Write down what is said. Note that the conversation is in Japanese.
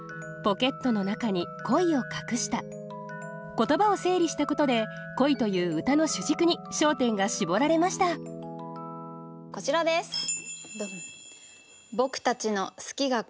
言葉を整理したことで「恋」という歌の主軸に焦点が絞られましたこちらですどん。